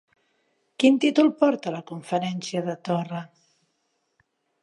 Quin títol porta la conferència de Torra?